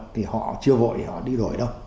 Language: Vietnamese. thì họ chưa vội thì họ đi đổi đâu